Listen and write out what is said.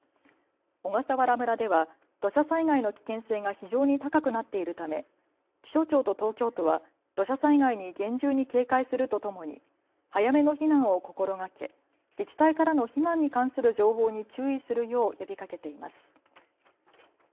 小笠原村では土砂災害の危険性が非常に高くなっているため気象庁と東京都は土砂災害に厳重に警戒するとともに早めの避難を心がけ自治体からの避難に関する情報に注意するよう呼びかけています。